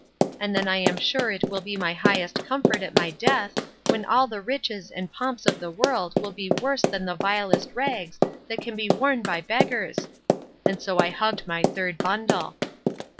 and then I am sure it will be my highest comfort at my death, when all the riches and pomps of the world will be worse than the vilest rags that can be worn by beggars! And so I hugged my third bundle.